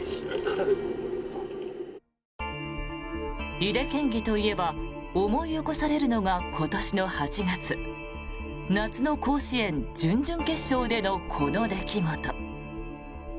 井手県議といえば思い起こされるのが今年の８月夏の甲子園準々決勝でのこの出来事。